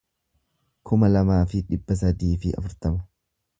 kuma lamaa fi dhibba sadii fi afurtama